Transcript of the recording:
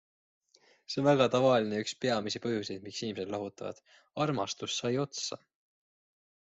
See on väga tavaline ja üks peamisi põhjuseid, miks inimesed lahutavad - armastus sai otsa.